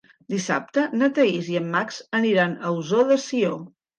Dissabte na Thaís i en Max aniran a Ossó de Sió.